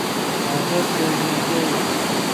هغه ځورېدی .